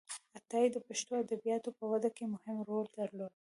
عطایي د پښتو ادبياتو په وده کې مهم رول درلود.